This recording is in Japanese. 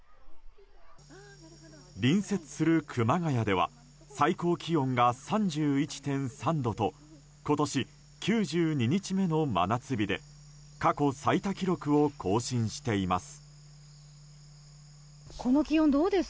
隣接する熊谷では最高気温が３１．３度と今年９２日目の真夏日で過去最多記録を更新しています。